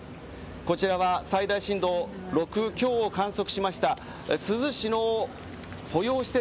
こちらは最大震度６強を観測しました珠洲市の保養施設